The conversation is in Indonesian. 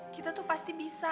kita tuh pasti bisa